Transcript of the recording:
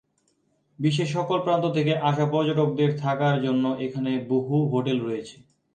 বিশ্বের সকল প্রান্ত থেকে আসা পর্যটকদের থাকার জন্য এখানে বহু হোটেল রয়েছে।